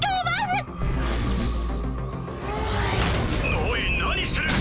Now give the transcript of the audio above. おい何してる！